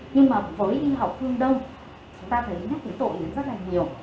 nhưng mà với y học phương đông chúng ta thấy nhắc về tổ yến rất là nhiều